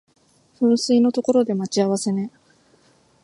噴水の所で待ち合わせね